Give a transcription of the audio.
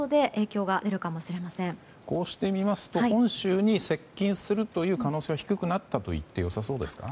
こうして見ますと本州に接近する可能性は低くなったと言って良さそうですか？